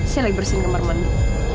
saya lagi bersihin kamar mandi